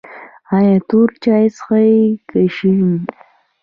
ایا تور چای څښئ که شین؟